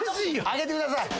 上げてください。